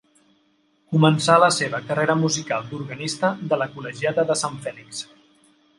Començà la seva carrera musical d'organista de la col·legiata de Sant Fèlix.